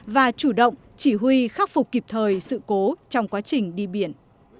và chủ động chỉ huy khắc phục kịp thời sự cố trong quá trình đi biển